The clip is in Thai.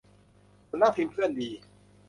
สำนักพิมพ์เพื่อนดี